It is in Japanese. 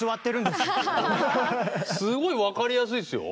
すごい分かりやすいですよ。